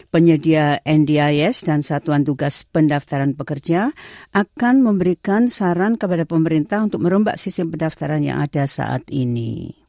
penyedia ndis dan satuan tugas pendaftaran pekerja akan memberikan saran kepada pemerintah untuk merombak sistem pendaftaran yang ada saat ini